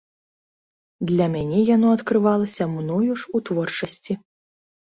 Для мяне яно адкрывалася мною ж у творчасці.